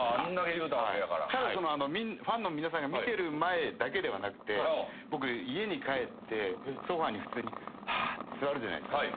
ただファンの皆さんが見てる前だけではなくて僕家に帰ってソファに普通に「ハァ」座るじゃないすか。